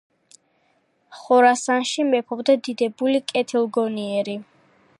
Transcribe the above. ხორასანში მეფობდა დიდებული, კეთილგონიერი.